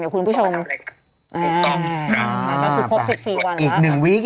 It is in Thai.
เดี๋ยวคุณผู้ชมอ๋อแล้วคือครบ๑๔วันแล้วป่ะต้องทำอะไรคะ